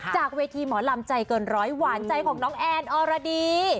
จากเวทีหมอลำใจเกินร้อยหวานใจของน้องแอนอรดี